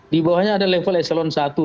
di bawahnya ada level eselon i